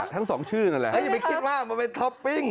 ทั้งสองชื่อนั่นแหละฮะอย่าไปคิดว่ามันเป็นท็อปปิ้ง